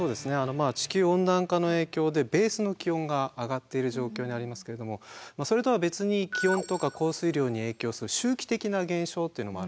まあ地球温暖化の影響でベースの気温が上がってる状況にありますけれどもそれとは別に気温とか降水量に影響する周期的な現象というのもあるんですね。